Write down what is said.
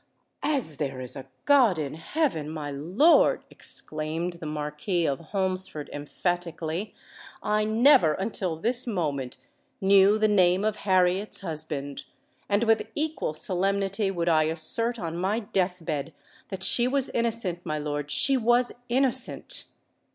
"As there is a God in heaven, my lord," exclaimed the Marquis of Holmesford, emphatically, "I never until this moment knew the name of Harriet's husband; and with equal solemnity would I assert on my death bed that she was innocent, my lord—she was innocent!"